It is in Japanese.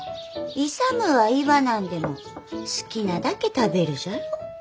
勇は言わなんでも好きなだけ食べるじゃろ。